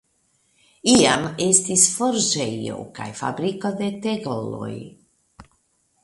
Iam estis forĝejo kaj fabriko de tegoloj.